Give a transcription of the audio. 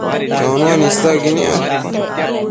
Chonuen isaqui niosh